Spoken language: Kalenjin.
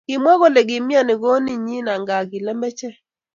Kimwa kole kimyani konunyi angaa ki lembechek